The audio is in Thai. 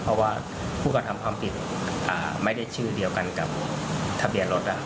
เพราะว่าผู้กระทำความผิดไม่ได้ชื่อเดียวกันกับทะเบียนรถ